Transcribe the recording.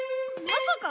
まさか！